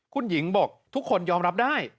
คุณหญิงบอกทุกคนยอมรับได้